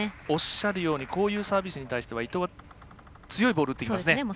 おっしゃるようにこういうサービスに対しては伊藤は、強いボール打ってきますね。